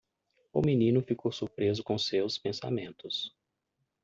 O menino ficou surpreso com seus pensamentos.